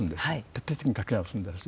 徹底的に書き直すんです。